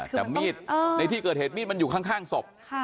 แต่มีดในที่เกิดเหตุมีดมันอยู่ข้างศพ